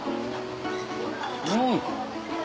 うん！